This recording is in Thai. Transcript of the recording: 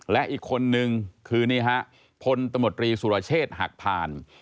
และอีกคนนึงคือนี่ฮะพลตมตรีสุรเชษฐ์หักผ่าน